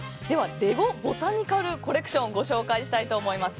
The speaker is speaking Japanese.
レゴボタニカルコレクションご紹介したいと思います。